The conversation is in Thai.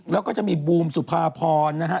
แล้วก็จะมีบูมสุภาพรนะฮะ